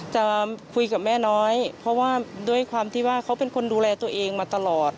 จะคุยกับแม่น้อยเพราะว่าด้วยความที่ว่าเขาเป็นคนดูแลตัวเองมาตลอด